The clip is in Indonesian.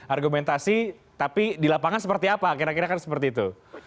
argumentasi tapi di lapangan seperti apa kira kira kan seperti itu